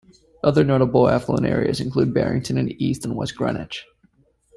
Other notable affluent areas include Barrington and East and West Greenwich.